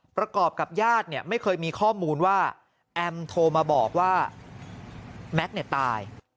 ประกอบกับญาติเนี่ยไม่เคยมีข้อมูลว่าแอมโทรมาบอกว่าแม็กซ์ตาย